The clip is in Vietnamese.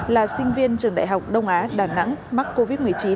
là sinh viên trường đại học đông á đà nẵng mắc covid một mươi chín